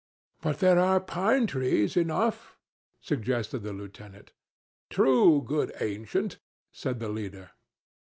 "But there are pine trees enow," suggested the lieutenant. "True, good ancient," said the leader.